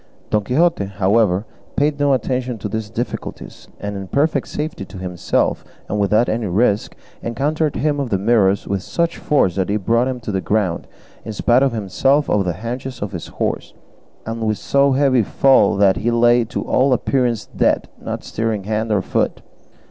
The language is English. Don Quixote, however, paid no attention to these difficulties, and in perfect safety to himself and without any risk encountered him of the Mirrors with such force that he brought him to the ground in spite of himself over the haunches of his horse, and with so heavy a fall that he lay to all appearance dead, not stirring hand or foot.